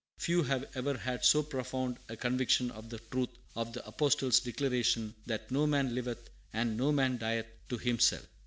Few have ever had so profound a conviction of the truth of the Apostle's declaration that no man liveth and no man dieth to himself.